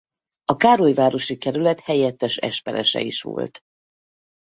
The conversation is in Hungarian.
A károlyvárosi kerület helyettes esperese is volt.